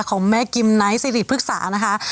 ของแม่กิมไนท์สิริพฤกษานะคะ